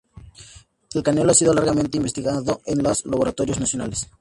El canelo ha sido largamente investigado en los laboratorios nacionales.